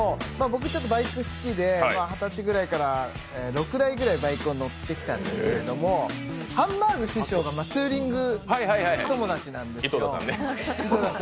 僕、バイク好きで、二十歳ぐらいから６台ぐらいバイク乗ってきたんですけど、ハンバーグ師匠がツーリング友達なんですよ。